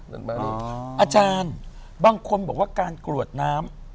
นั่นมาดีอาจารย์บางคนบอกว่าการกรวดน้ำ